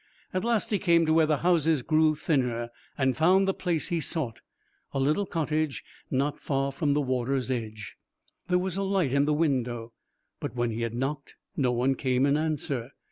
At last he came to where the houses grew thinner, and found the place he sought, a little cottage not far from the water's edge. There was a light in the window, but when he had knocked no one came in answer.